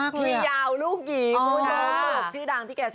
กินจังมาก